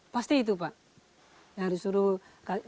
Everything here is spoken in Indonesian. pasti itu pak